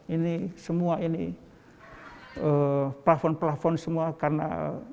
ini semua ini plafon plafon semua karena